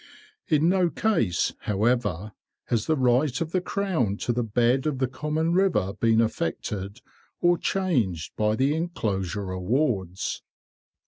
In no case, however, has the right of the Crown to the bed of the common river been affected or changed by the Enclosure Awards.